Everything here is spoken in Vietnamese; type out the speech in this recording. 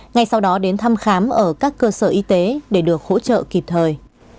ngay sau đó đến thăm khám ở các cơ sở y tế để được hỗ trợ kịp thời